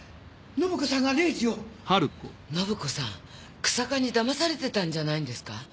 信子さん日下に騙されてたんじゃないんですか？